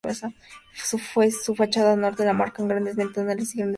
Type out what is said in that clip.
Su fachada norte las marcan grandes ventanales y grandes columnas.